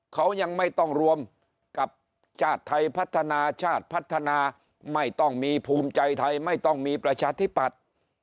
เขายังไม่ต้องรวมกับชาติไทยพัฒนาชาติพัฒนาไม่ต้องมีภูมิใจไทยไม่ต้องมีประชาธิปัตย์